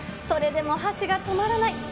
それでも箸が止まらない！